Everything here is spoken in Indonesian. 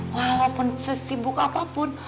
walaupun sesibuk apapun